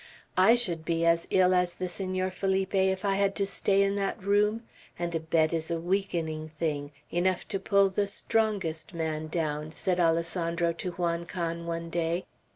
"I should be as ill as the Senor Felipe, if I had to stay in that room, and a bed is a weakening thing, enough to pull the strongest man down," said Alessandro to Juan Can one day.